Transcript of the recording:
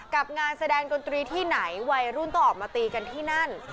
งานแสดงดนตรีที่ไหนวัยรุ่นต้องออกมาตีกันที่นั่น